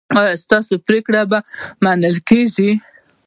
ایا ستاسو پریکړې به منل کیږي؟